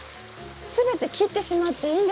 全て切ってしまっていいんですね？